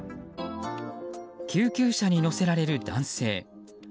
救急車に乗せられる男性。